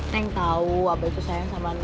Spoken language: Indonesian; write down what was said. neng tau abah itu sayang sama nek